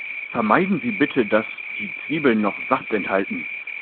Vermeiden Sie bitte, dass die Zwiebeln noch Saft enthalten.